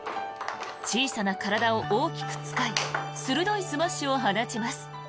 小さな体を大きく使い鋭いスマッシュを放ちます。